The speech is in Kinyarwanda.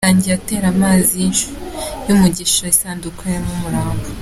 Yatangiye atera amazi y’umugisha isanduku irimo umurambo.